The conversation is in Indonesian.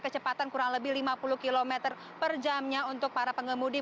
kecepatan kurang lebih lima puluh km per jamnya untuk para pengemudi